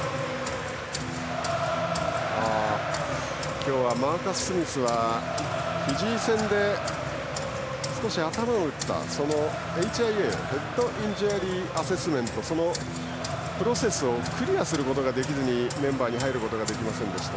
今日は、マーカス・スミスはフィジー戦で少し頭を打ったＨＩＡ＝ヘッドインジュリーアセスメントプロセスをクリアできずにメンバーに入ることができませんでした。